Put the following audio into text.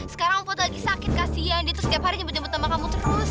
sekarang om kuat lagi sakit kasihan dia terus setiap hari nyebut nyebut nama kamu terus